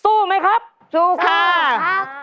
สู้ไหมครับสู้ค่ะสู้ครับ